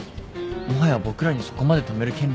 もはや僕らにそこまで止める権利は。